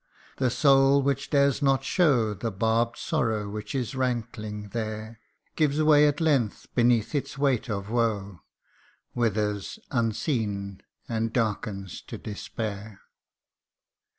The soul which dares not show The barbed sorrow which is rankling there, Gives way at length beneath its weight of woe, Withers unseen, and darkens to despair